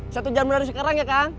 satu jam dari sekarang ya kan